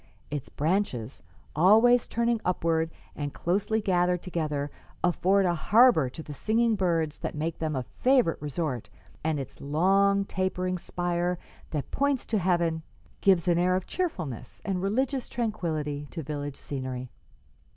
Its branches, always turning upward and closely gathered together, afford a harbor to the singing birds that make them a favorite resort, and its long, tapering spire that points to heaven gives an air of cheerfulness and religious tranquillity to village scenery.'"